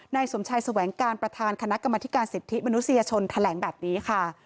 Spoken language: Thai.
สมชายแสวงการประธานคณะกรรมธิการสิทธิมนุษยชนแถลงแบบนี้ค่ะ